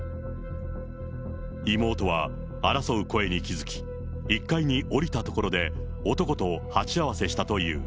妹は争う声に気付き、１階に下りたところで、男と鉢合わせしたという。